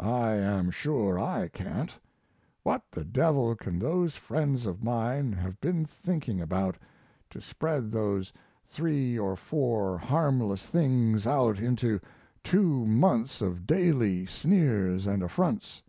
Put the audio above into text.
I am sure I can't. What the devil can those friends of mine have been thinking about to spread those three or four harmless things out into two months of daily sneers and affronts?